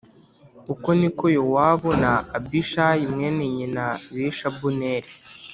Uko ni ko Yowabu na Abishayi mwene nyina bishe Abuneri